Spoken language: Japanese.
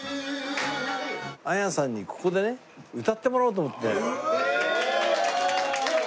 亜矢さんにここでね歌ってもらおうと思って。